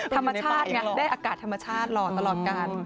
ธรรมชาติไงได้อากาศธรรมชาติหล่อตลอดกัน